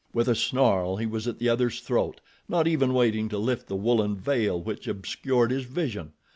With a snarl he was at the other's throat, not even waiting to lift the woolen veil which obscured his vision.